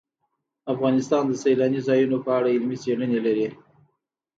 افغانستان د سیلاني ځایونو په اړه علمي څېړنې لري.